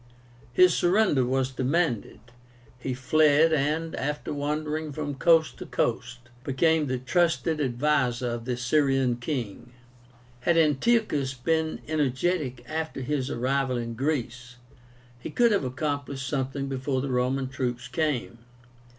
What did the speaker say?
His surrender was demanded. He fled, and, after wandering from coast to coast, became the trusted adviser of the Syrian king. Had Antiochus been energetic after his arrival in Greece, he could have accomplished something before the Roman troops came.